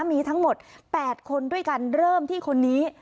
มีทั้งหมด๘คนด้วยกันเริ่มที่คนนี้